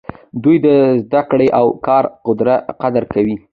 دوی د زده کړې او کار قدر کوي.